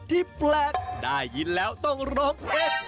ที่แปลกได้อินแล้วต้องรอเห็น